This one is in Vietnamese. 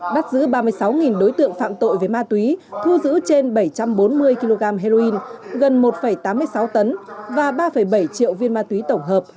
bắt giữ ba mươi sáu đối tượng phạm tội về ma túy thu giữ trên bảy trăm bốn mươi kg heroin gần một tám mươi sáu tấn và ba bảy triệu viên ma túy tổng hợp